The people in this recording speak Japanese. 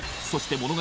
そして